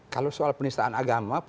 kalau soal penistaan agama